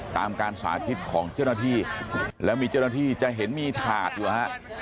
ตามการสาธิตของเจ้าหน้าที่แล้วมีเจ้าหน้าที่จะเห็นมีถาดอยู่ฮะ